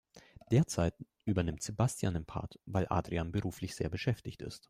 Derzeit übernimmt Sebastian den Part, weil Adrian beruflich sehr beschäftigt ist.